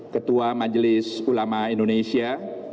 ketua majelis ulama indonesia